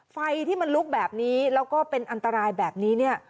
ไฟที่มันลุกแบบนี้แล้วก็เป็นอันตรายแบบนี้เนี่ย